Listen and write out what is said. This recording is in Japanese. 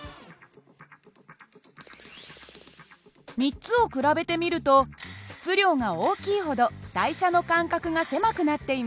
３つを比べてみると質量が大きいほど台車の間隔が狭くなっています。